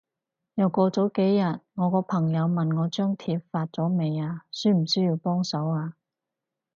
又過咗幾日，我個朋友問我張貼發咗未啊？需唔需要幫手啊？